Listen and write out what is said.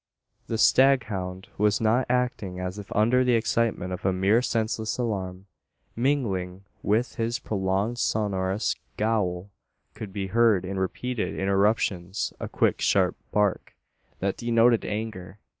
The staghound was not acting as if under the excitement of a mere senseless alarm. Mingling with his prolonged sonorous "gowl" could be heard in repeated interruptions a quick sharp bark, that denoted anger.